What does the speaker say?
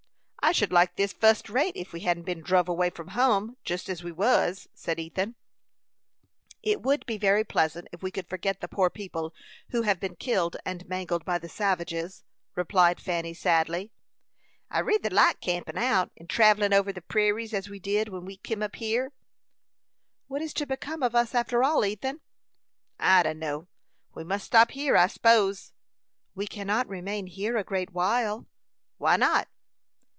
"I should like this fust rate if we hadn't been druv away from hum jest as we was," said Ethan. "It would be very pleasant if we could forget the poor people who have been killed and mangled by the savages," replied Fanny, sadly. "I reyther like campin' out, and travellin' over the peraries, as we did when we kim up hyer." "What is to become of us, after all, Ethan?" "I dunno; we must stop hyer, I s'pose." "We cannot remain here a great while." "Why not?"